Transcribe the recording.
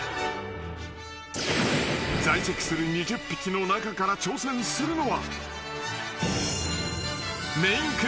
［在籍する２０匹の中から挑戦するのは］